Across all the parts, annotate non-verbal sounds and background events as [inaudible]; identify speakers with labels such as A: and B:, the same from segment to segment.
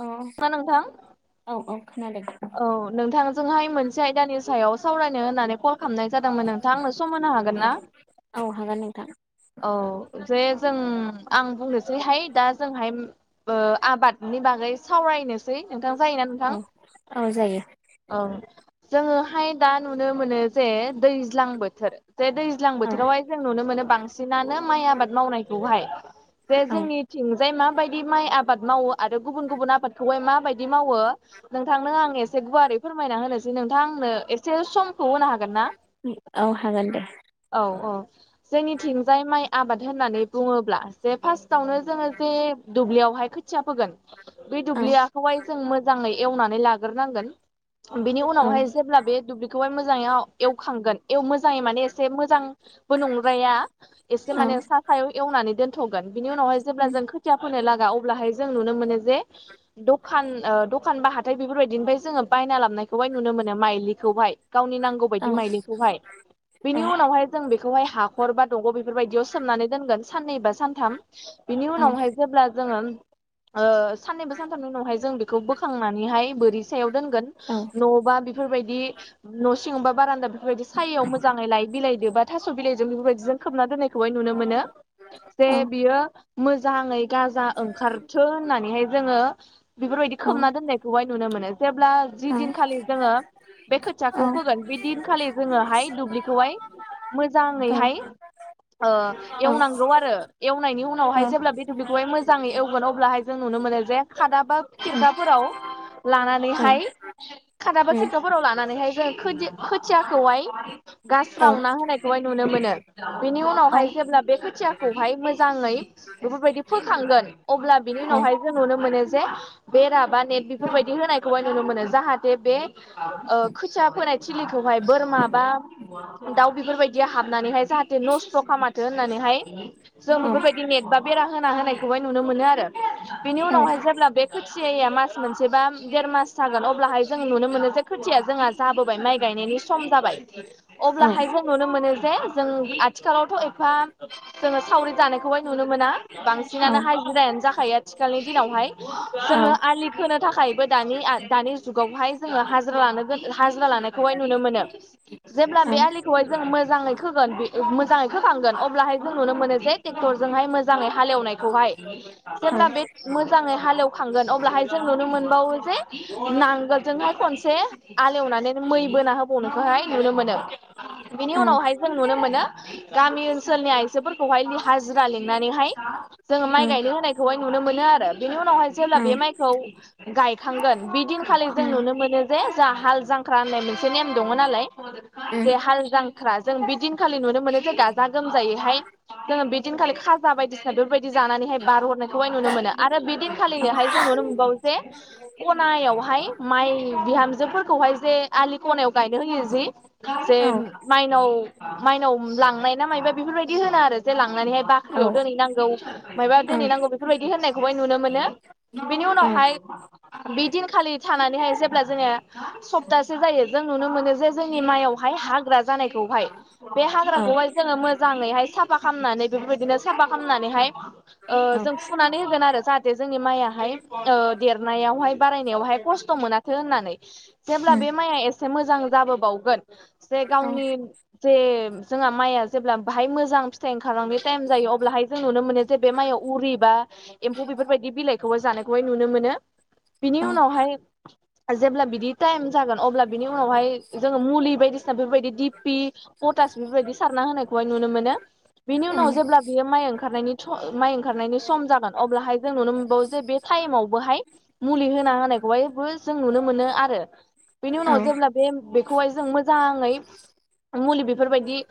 A: औ
B: ना नोंथां
A: औ औ खोनादों
B: औ नोंथांजोंहाय मोनसे आयदानि सायाव सावरायनो होन्नानै कल खालामनाय जादोंमोन नोंथां आंनो सम होनो हागोन
A: औ
B: ना?
A: औ हागोन नोंथां
B: औ जे जों आं बुंनोसैहाय दा जोंहाय ओ आबादनि बागै सावरायनोसै नोंथां जायोना
A: औ
B: नोंथां।
A: औ जायो
B: ओं जोङोहाय दा नुनो मोनो जे दैज्लां बोथोर जे दै ज्लां
A: औ
B: बोथोरावहाय जों नुनो मोनो बांसिनानो माइ आबाद मावनायखौहाय जे
A: औ
B: जोंनि थिंजाय माबायदि माइ आबाद मावो आरो गुबुन गुबुन आबादखौहाय माबायदि मावो। नोंथांनो आं एसे गुवारै फोरमायना होनोसै नोंथां आंनो एसे समखौ होनो हा ना
A: औ हागोन दे
B: औ औ जोंनिथिजाय माइ आबाद होननानै बुङोब्ला जे फार्स्टावनो जोङो जे दुब्लियावहाय खोथिया फोगोन। बे
A: औ
B: दुब्लियाखौहाय जों मोजाङै एवनानै ला ग्रो नांगोन बिनि
A: औ
B: उनावहाय जेब्ला बे दु ब्लि बेखौहाय मोजाङै एवखांगोन मोजाङै माने एसे मोजांबो नंज्राया एसे
A: औ
B: माने सा सायाव एवनानै दोनथ'गोन बिनि उनावहाय जेब्ला जों खोथिया फोनो लागा अब्लाहाय जों नुनो मोनो जे दखान ओ द दखान बा हाथाय बेफोरबायदिनिफ्राय जोङो बायना लाबनायखौहाय नुनो मोनो माइलिखौहाय गावनि नांगौ
A: औ
B: बायदि
A: औ उम
B: माइलि। खौहाय
A: औ
B: बेनि उनावहाय जों बेखौहाय हा हर बा दंग' बेफोरबायदियाव सोमनानै दोनगोन साननै बा सानथाम। बिनि
A: औ
B: उनावहाय जेब्ला जोङो साननैबो सानथामनि उनावहाय जों बेखौ बोख बोर
A: औ
B: दाबाय'ा बारा बेफोरबायदि सायायाव मोजाङै लइ बिलाइदों बा थास' बिलाइदों बेफोरबायदिजों खोबना दोननायखौहाय नुनो मोनो जे
A: औ
B: बियो मोजाङै गाजा ओंखारथो होननानैहाय जोङो
A: औ
B: खोमना दोननायखौहाय नुनो मोनो जेब्ला जि
A: औ उम
B: दिनखालि जोङो बे
A: उम औ उम औ
B: खोथियाखौ फोगोन बे दिनखालि जोङोहाय दुब्लिखौहाय मोजाङैहाय एवनांगौ आरो एवनायनि उनावहाय जेब्ला बे दुब्लिखौहाय मोजाङै एवगोन अब्लााय जों नुनो मोनो जे खादा बा खिरखाफोराव लानानैहाय खादाबा थथ'फोराव लानानैहाय जों खोथियाखौैहाय गास्राव ना होनायखौहाय नुनो मोनो बिनि उनावहाय जेब्ला बे खोथियाखौहाय मोजाङै बेफोरबायदि फैखांगोन अब्ला बिनि उनावहाय जों नुनो मोनो जे बेरा बा नेट बेफोरबायदि होनायखौहाय नुनो मोनो। जाहाथे बे ओ खोथिया फोनाय थिलिखौहाय बोरमा बा दाउ बेफोरबायदि हाबनानैहाय जाहाथे नस्थ' खालामाथों होननानैहाय जों बेफोरबायदि नेटबा बेरा होना होनायखौहाय नुनो मोनो आरो बिनि उनावहाय जेब्ला बे खोथियाया मास मोनसेबा देर मास जागोन अब्लाहाय जों नुनो मोनो जे खोथिया जोंहा जाबोबाय माइ गायनायनि सम जाबाय अब्लाहाय जों नुनो मोनो जे जों आ आथिखालावथ' एफा जोङो सावरि दानायखौबोाय नुनो मोना बांसिनानो हाजजिरायानो जाखायो आथिखालनि दिनावहाय जोङो आलि खोनो थाखायबो दानि दानि जुगावहाय जोङो हाजिरा लानो हाजिरा लानाय खौहाय नुनो मोनो। जेब्ला बे आलि जों मोजाङै खोगोन मोजाङै खोखांगोन अब्लाहाय जों नुनो मोनो जे ट्रेक्टरजोंहाय मोजां मोजाङै हालेवनायखौहाय जेब्ला बे मोजाङै हालेव अाय जों नुनो मोनावो ज नांगसे एसे आलेवनानै मै बोना होबावनायखौहाय नुनो मोनो बिनि उनावहाय जों नुनो मोनो गामि ओनसोलनि आइजोफोरखौहाय हाजिरा लिंनानैहाय जोङो माइ गायनो होनायखौहाय नुनो मोनो आरो बेनि उनावहाय जेब्ला बे माइखौ गायखांगोन बिदिनखालि जों नुनो मोनो जे जोंहा हाल जांख्रा होननाय मोनसे नेम दङ नालाय जे हाल जांख्रा जों बिदिनखालि नुनो मोनो जे गाजा गोमजायैहाय जोङो बिदिनखालि खाजा बायदिसिना बेफोरबायदि जानानैहाय बारहरनायखौहाय नुनो मोनो आरो बि खालिनोहाय जों नुनो मोनबावो जे खनायावहाय माइ बिहामजोफोरखौहाय जे आलि खनायाव गायनो होयो जि जे माइनाव माइनाव लांनाय ना मायबा बेफोरबायदि होनो आरो जे लांनानैहाय बाख साख्रियाव दोनहैनांगौ मायबा दोनैनांगौ बेफोरबायदि होननायखौहाय नुनो मोनो बिनि उनावहाय बे दिनखालि थानानैहाय जेब्ला जोङो सप्तासे जायो जों नुनो मोनो जे जोंनि माइआव [inaudible] साफा खालामनानै बेफोरबायदिनो साफा खालामनानैहाय जों ओ फुनानै होगोन आरो जाहाथे जोंनि माइआहाय ओ देरनायावहाय बारायनायावहाय खस्थ' मोनाथो होननानै जेब्ला बे माइया एसे मोजां जाबोबावगोन जे गावनि जे जोंहा माइया जेब्ला बाहाय मोजां फिथाइ फिथाइ ओंखारलांनायनि टाइम जायो अब्लाहाय जों नुनो मोनो जे बे माइयाव उरि बा एम्फौ बेफोरबायदि जानाय नुनो मोन बिनि उनावहाय जे बिदि टाइम जागोन अब्ला बिनि उनावहाय जोङो मुलि बायदिसि बेफोरबायदि दि पि पटास बेफोरबायदि सारना होनाय नुनो मोनो। बेनि उनाव जेब्ला बियो माइ ओंखारनायनि माइ ओंखारनायनि सम जागोन अब्लाहाय जों नुनो मोन बावो जे बे टाइमावबोहाय मुलि होना होनायखौहायबो जों नुनो मोनो आरो बेनि उनाव
A: औ
B: जेब्ला बे बेखौहाय जों मोजाङै मुलि बिफोरबायदि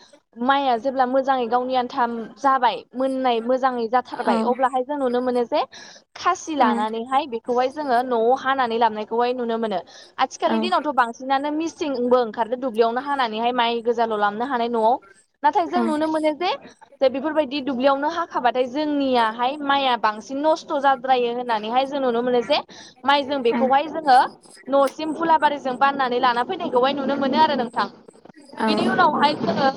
B: माइया जेब्ला मोजाङै गावनि आन्था जाबाय मोननाय मोजाङै
A: औ
B: जाथारबाय
A: औ
B: अब्लाहाय जों नुनो मोनो। खासि
A: औ
B: लानानैहाय बेखौहाय जोङो न'आव हानानै लाबनायखौहाय नुनो मोनो। आथिखालनि दिनावथ' बांसिनानो मिसिंबो ओंखारदो दुब्लियावनो हानानैहाय माइ [unintelligible] गोजाल' लाबनो हानाय न'आव नाथाय जों नुनो मोनो जे जे बेफोरबायदि दुब्लियावनो हा खाबाथाय जोंनियाहाय माइआ बांसिन नस्थ' जाद्रायो होननानैहाय जों नुनो मोनो जे माइ जों बेखौहाय जोङो न'सिम हुलाबारिजों बाननानै लाना फैनायखौहाय नुनो मोनो आरो नोंथां। बिनि उनावहाय जोंङो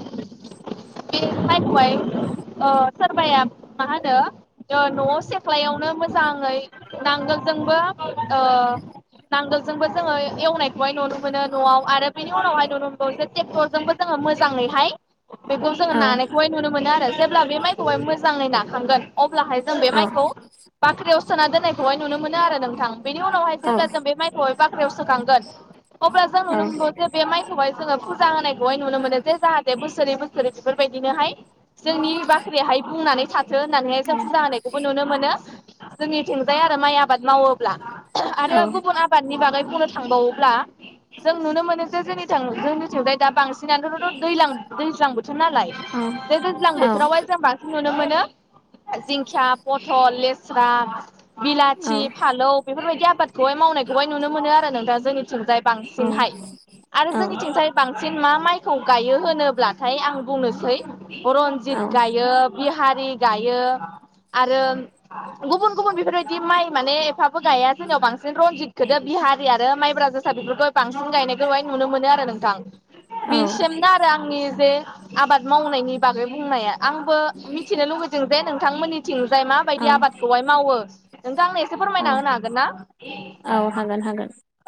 B: बे माइखौहाय ओ सोरबाया मा होनो ओ न'आव से [unintelligible] मोजाङै नांगोलजोंबो ओ नांगोलजों जोंबो जोङो एवनायखौहाय नुनो मोनो न'आव आरो बिनि उनावहाय नुनो मोनबावो जे ट्रेक्टरजोंबो जोङो मोजाङैहाय बेखौ जोङो ना नायखौहाय नुनो मोनो आरो जेब्ला बे माइखौहाय मोजाङै नाखांगोन अब्लाहाय जों बे माइखौ बाख्रियाव सोना दोन्नायखौहाय नुनो मोनो आरो नोंथां बेनि उनावहाय जेब्ला जों बे माइखौहाय बाख्रियाव सोखांगोन अब्ला जों नुनो मोनगोन जे बे माइखौहाय जोङो फुजा होनायखौहाय नुनो मोनो जे जाहाथे बोसोरै बोसोरै बेफोरबायदिनोहाय जोंनि बाख्रियाहाय बुंनानै थाथो होननानैहाय जों फुजा होनायखौबो नुनो [unintelligible] मोनो जोंनि थिंजाय आरो माइ आबाद मावोब्ला आरो गुबुन आबादनि बागै बुंनो थांबावोब्ला जों नुनो मोनो जे जोंनि जोंनिथां जोंनिथिंजाय दा बांसिनानो थ' दैलां दैज्लां बोथोर नालाय। बे दैज्लां बोथोरावहाय जों बांसिन नुनो मोनो जिंखिया थ लेस्रा बिलाथि फालौ बेफोरबायदि आबादखौहाय मावनायखौहाय नुनो मोनो आरो नोंथा जोंनिथिंजाय। बांसिनहाय आरो जोंनिथिंसाय बांसिन मा माइखौ गायो होनोब्लाथाय आं बुंनोसै रन्जित गायो। बिहारि गायो आरो गुबुन गुबुन बेफोरबायदि माइ माने एफाबो गाया जोंनियाव बांसिन रनजिथखोदो बिहारि आरो माइब्रा जो सा बेफोरखौहाय बांसिन गायनायखौहाय नुनो मोनो आरो नोंथां। बिसिमनो आरो आंनि जे आबाद मावनायनि बागै बुंनाया आंबो मिथिनो लुुबैदों जे नोंथांमोननि [unintelligible] थिंजाय
A: औ
B: माबायदि आबादखौहाय मावो। नोंथां आंनो एसे
A: औ
B: फोरमायना होनो हागोन ना
A: हागोन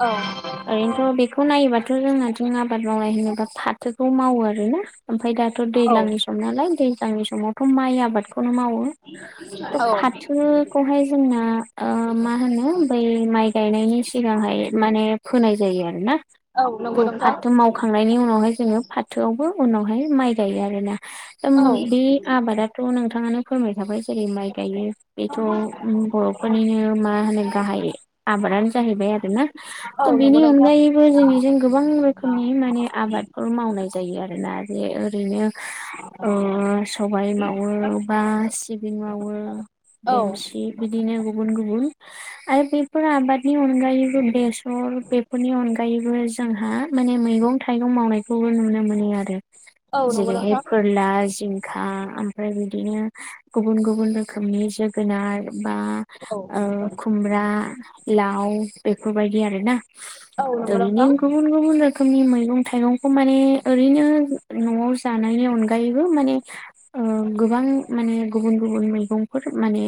B: औ
A: खौ नायोबाथ' जोंनाथिं आबाद मावनाय होनोबा फाथोखौ मावो आरोना ओमफाय दाथ'
B: औ
A: दैलांनि सम नालाय दैज्लांनि समावथ' माइ आबादखौनो मावो थ'
B: औ
A: फाथोखौहाय जोंना ओ मा होनो बै माइ गायनायनि सिगांहाय माने फोनाय जायो आरो ना।
B: औ नंगौ
A: थ'
B: नोंथां
A: फाथो मावखांनायनि उनावहाय जोङो फाथोआवबो उनावहाय माइ गायो आरोना।
B: औ
A: [unintelligible] बे आबादाथ' नोंथाङानो फोरमाय खाबाय जेरै माइ गायो बेथ' बर' फोरनिनो मा होनो गाहाय आबादानो जाहैबाय आरोना।
B: औ
A: थ'
B: नंगौ
A: बिनि
B: नोंथां
A: अनगायैबो जोंनिजों गोबां रोखोमनि माने आबाद खौ मावनाय जायो आरोना बेे ओरैनो ओ सबाय मावो बा सिबिं मावो
B: औ
A: देम बिदिनो गुबुन गुबुन आरो बेफोर आबादनि अनगायैबो बेसर बेफोरनि अनगायैबो जोंहा माने मैगं मैगं थाइगं मावनायखौबो नुनो मोनो आरो
B: औ नंगौ
A: जेरैहाय
B: नोंथां
A: फोरला जिंखा ओमफ्राय बिदिनो गुबुन गुबुन रोखोमनि जोगोनार बा
B: औ
A: ओ खुमब्रा लाव बेफोरबायदि आरो ना
B: औ
A: दा
B: नंगौ नोंथां
A: बेनिखौ गुबुन गुबुन रोखोमनि मैगं थाइगंखौ माने ओरैनो न'आव जानायनि अनगायैबो माने गोबां माने गुबुन गुबुन मैगंफोर माने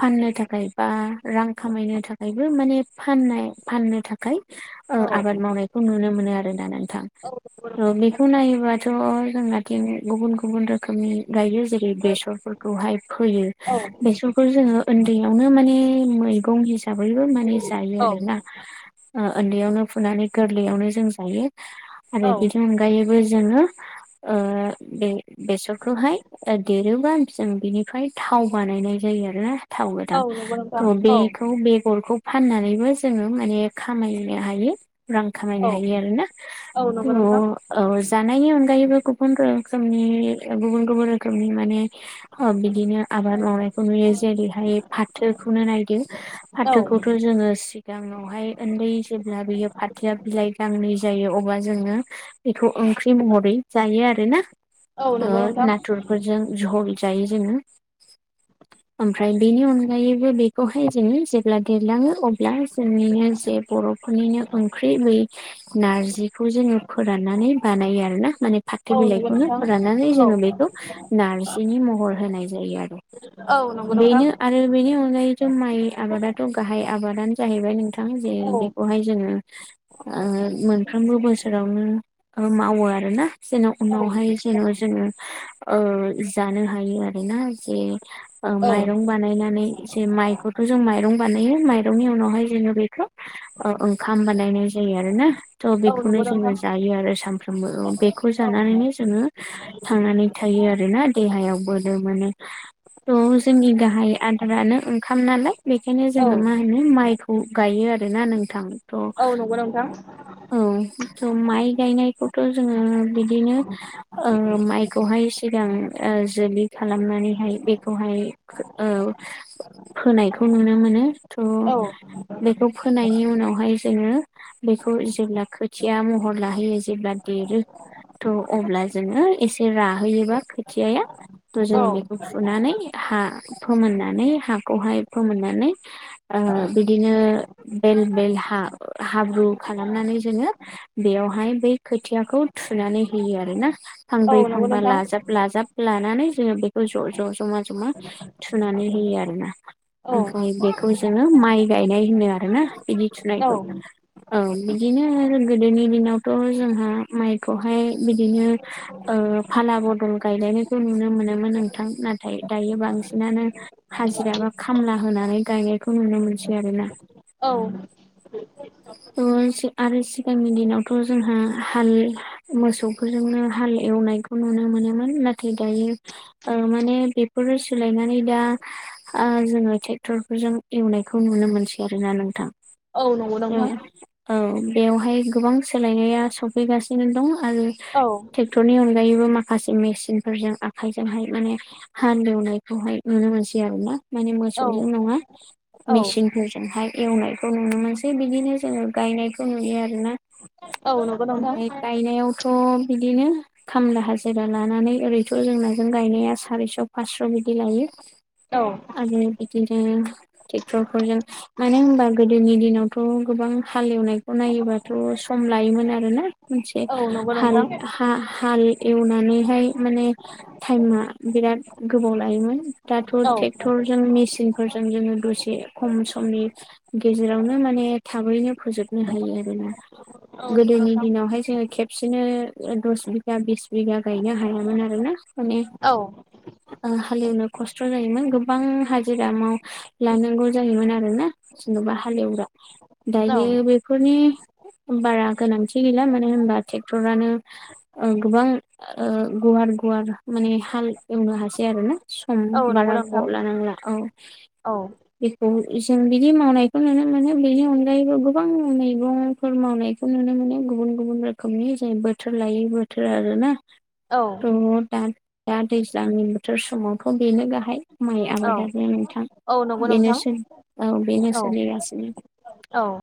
A: फाननो था खाय बा रां खामायनो थाखायबो माने फाननाय फाननो था खाय
B: औ
A: आबाद मावनायखौ नुनो मोनो आरोोना नोंथां थ' बेखौ नायोबाथ' जोंनाथिं गुबुन गुबुन रोखोमनि गायो जेरै बेसरफोरखौहाय फोयो
B: औ
A: बेसरखौ जोङो यावनो माने मैगं हिसाबैबो माने जायो
B: औ
A: आरोना उन्दैयावनो फुनानै गोरलैयावनो जों जायो आरो बिनि अन गायैबो जोङो बे बेसरखौहाय देरोबा जों बिनिफ्राय थाव बानायनाय जायो आरोना थाव गोथां
B: औ नंगौ नोंथां
A: थ'
B: औ
A: बेखौ बेगरखौ फाननानैबो जोङो माने खामायनो हायो रां
B: औ
A: खामायनो हायो आरोना
B: औ नंगौ नोंथां
A: थ' औ जानायनि अनगायैबो गुबुन रोखोमनि गुबुन गुबुन रोखोमनि माने बिदिनो आबाद मावनायखौ नुयो जेरै फाथोखौनो नायदो
B: औ
A: फाथोखौथ' जोङो सिगाङावहाय ओन्दै जेब्ला बियो फाथोआ बिलाइ गांनै जायो अब्ला जोङो बेखौ ओंख्रि महरै जायो आरो ना
B: औ नंगौ नोंथां
A: नाथुर जों झल जायो जोङो फ्राय बेनि अनगायैबो बेखौहाय जोङो जेब्ला देरलाङो अब्ला जोंनिनो जे बर'फोरनिनो ओंख्रि बै नारजिखौ जोङो फोराननानै बानायो आरो ना माने फाथो
B: औ नंगौ
A: बिलाइखौनो
B: नोंथां
A: फोराननानै जोङो
B: औ
A: बेखौ नार्जिनि महर होनाय जायो आरो
B: औ नंगौ नोंथां
A: बेनो आरो बेनि अनगायैथ' माइ आबादाथ' गाहाय आबादानो जाहैबाय नोंथां जे
B: औ
A: बेखौहाय जोङो ओ मोनफ्रोमबो बोसोरावनो मावो आरो ना जेन'
B: औ
A: उनावहाय जेन' जोङो जानो हायो आरोना जे
B: औ
A: माइरं बानायनानै जे माइखौथ' जों माइरं बानायो माइरंनि उनावहाय जोङो बेखौ अ ओंखाम बानायनाय जायो आरोना थ'
B: औ
A: बेखौनो
B: नंगौ
A: जोङो
B: नोंथां
A: जायो आरो साम बेखौ जानानैनो जोङो थांनानै थायो आरोना देहायाव बोलो मोनो। थ' जोंनि गाहाय आदारानो ओंखाम नालाय बेखायनो
B: औ
A: जोङो माय नो माइखौ गायो आरोना नोंथां थ'
B: औ नंगौ नोंथां
A: औ थ' माइ गायनायखौथ' जोङो बिदिनो माइखौहाय सिगां जोलि खालामनानैहाय बेखौहाय खो औ फोनायखौ नुनो मोनो थ'
B: औ
A: बेखौ फोनायनि उनावहाय जोङो बे खौ जेब्ला खोथिया महर लाहैयो जेब्ला देरो थ' अब्ला जोङो एसे राहोयोबा खोथियाया
B: औ
A: थ' जोङो बेखौ फुनानै हा फोमोननानै हाखौहाय फोमोननानै ओ बिदिनो बेल बेल हा हाब्रु खालामनानै जोङो बेयावहाय बै खोथियाखौ थुनानै होयो आरोना। फांब्रै
B: औ नंगौ
A: फांबा
B: नोंथां
A: लाजाब लाजाब लानानै जोङो बेखौ ज' ज' ज'मा जमा थुनानै होयो आरोना
B: औ
A: ओमफ्राय बेखौ जोङो माइ गायनाय होनो आरो ना बिदि थुनायखौ
B: औ
A: औ बिदिनो गोदोनि दिनावथ' जोंहा माइखौहाय बिदिनो ओ फाला बदल गायलायनायखौ नुनो मोनोमोन नोंथां नाथाय दायो बांसिनानो हाजिरा बा खामला होनानै गायनायखौ नुनो मोनसै आरोना।
B: औ [inaudible]
A: थ आरो सिगांनि दिनावथ' जोंहा हाल मोसौफोरजोंनो हाल एवनायखौ नुनो मोनोमोन नाथाय दायो ओ माने बेफोरो सोलायनानै दा ओ जोङो टेक्ट'रफोरजों एवनायखौ नुनो मोनसै आरोना नोंथां।
B: औ नंगौ
A: ओ
B: नोंथां
A: औ बेवहाय गोबां सोलायनाया सफैगासिनो दं आरो
B: औ
A: टेक्टरनि अनगायैबो माखासे मेसिनफोरजों आखायजोंहाय माने हाल एवनायखौहाय नुनो मोनसै आरो ना माने मोसौजों नङा। मेचिनफोरजोंहाय एवनायखौ नुनो मोनसै। थिक बिदिनो जोङो गायनायखौ नुयो आरोना
B: औ
A: ओमफ्राय गायनायावथ' थ' बिदिनो खामला हाजिरा लानानै ओरैथ' जोंना जों गायनाया सारिस', फासस' बिदि लायो। आरो बिदिनो टेक्टरफोरजों मानो होनबा गोदोनि दिनाव थ गोबां हालेवनायखौ नायोबाथ' सम लायोमोन आरो ना। मोनसे
B: नंगौ
A: हाल
B: नोंथां
A: हा हा हाल एवनानैहाय माने टाइमा बिराद गोबाव लायोमोन। दाथ'
B: औ
A: टेक्टर जों मेसिन फोरजों जोङो दसे खम समनि गेजेरावनो नो माने थाबैनो फोजोबनो हायो आरोना।
B: औ नंगौ
A: गोदोनि
B: नोंथां।
A: दिनावहाय जोङो खेबसेनो दस बिगा, बिस बिगा गायनो हायामोन आरो ना। माने
B: औ
A: ओ हालेवनो खस्थ' जायोमोन गोबां हाजिरा माव लानांगौ जायोमोन आरो ना जेन'बा हालेवग्रा।
B: औ
A: दायो बेफोरनि बारा गोनांथि गैला मानो होनबा टेक्टरानो ओ गोबां ओ गुवार गुवार माने हाल एवनो हासै आरोना। सम
B: औ नंगौ
A: बारा
B: नोंथां
A: गोबाव लानांला औ।
B: औ
A: बेखौ जों बिदि मावनायखौ नुनो मोनो। बेनि अनगायैबो गोबां मैगंफोर मावनायखौ नुनो मोनो गुबुन गुबुन रोखो खोमनि जों बोथोर लायै बोथोर आरोना।
B: औ
A: थ' दा दा दैज्लांनि बोथोर समावथ' बेनो गाहाय माइ
B: औ
A: आबादानो। थां
B: औ नंगौ नोंथां
A: बेनोसै औ बेनो
B: औ
A: सोलिगासिनो।
B: औ